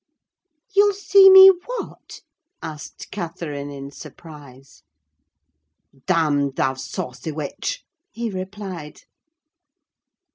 "You'll see me what?" asked Catherine in surprise. "Damned—thou saucy witch!" he replied.